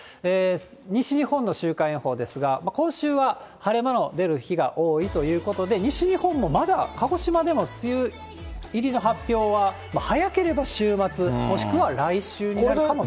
西日本の週間予報ですが、今週は晴れ間の出る日が多いということで、西日本もまだ鹿児島での梅雨入りの発表は、早ければ週末、もしくは来週になるかも。